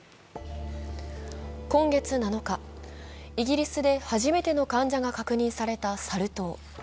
今月７日、イギリスで初めての患者が確認されたサル痘。